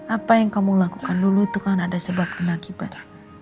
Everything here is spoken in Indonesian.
apa yang kamu lakukan dulu itu kan ada sebab akibat